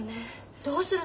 どうするの？